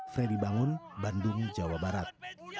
freddy bangun bandung jawa barat